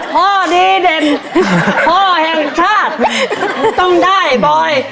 ข้อดีเด่นพ่อแห่งชาติต้องได้บ่อย